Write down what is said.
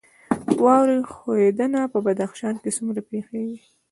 واورې ښویدنه په بدخشان کې څومره پیښیږي؟